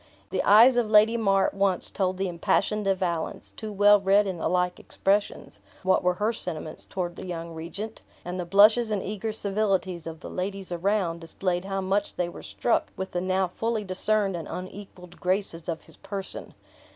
The eyes of Lady Mar at once told the impassioned De Valence, too well read in the like expressions, what were her sentiments toward the young regent; and the blushes and eager civilities of the ladies around displayed how much they were struck with the now fully discerned and unequaled graces of his person.